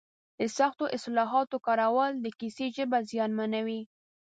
د سختو اصطلاحاتو کارول د کیسې ژبه زیانمنوي.